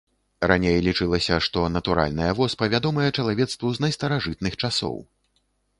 Раней лічылася, што натуральная воспа вядомая чалавецтву з найстаражытных часоў.